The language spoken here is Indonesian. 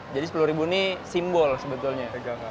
jadi sepuluh ribu ini simbol sebetulnya